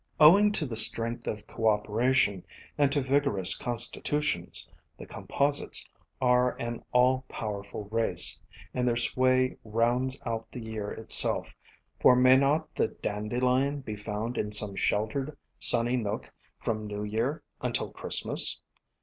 Owing to the strength of cooperation and to vigorous constitutions, the composites are an all powerful race, and their sway rounds out the year itself, for may not the Dandelion be found in some sheltered, sunny nook from New Year until Christmas